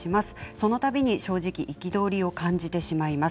その度に正直、憤りを感じてしまいます。